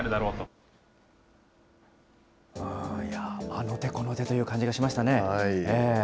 あの手この手という感じがしましたね。